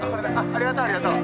ありがとうありがとう。